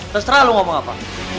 terserah lo ngomong apa